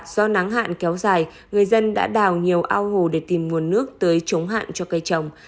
do nắng hạn kéo dài người dân đã đào nhiều ao hồ để tìm nguồn nước tưới chống hạn cho cây trồng